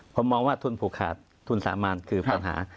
ผมมองว่าทุนผูกขาดทุนสามัญคือปัญหา